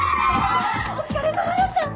お疲れさまでした！